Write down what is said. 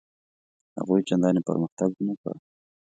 هغوی چنداني پرمختګ ونه کړ.